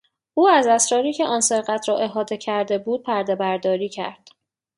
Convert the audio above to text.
او از اسراری که آن سرقت را احاطه کرده بود پردهبرداری کرد.